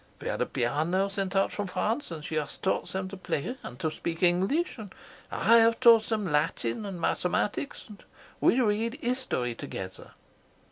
We had a piano sent out from France, and she has taught them to play and to speak English, and I have taught them Latin and mathematics, and we read history together.